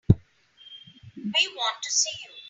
We want to see you.